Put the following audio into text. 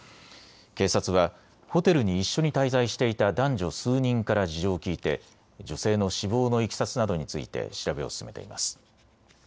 警察はホテルに一緒に滞在していた男女数人から事情を聞いて女性の死亡のいきさつなどについて調べを進めています。